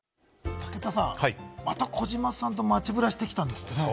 武田さん、また児嶋さんと街ブラしてきたんですってね。